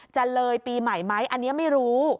จะเลยปีใหม่ไหมอันนี้ไม่รู้